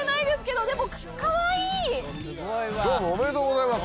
どうもおめでとうございます！